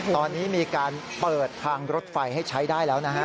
ตอนนี้มีการเปิดทางรถไฟให้ใช้ได้แล้วนะฮะ